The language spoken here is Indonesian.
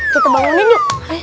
kita bangunin yuk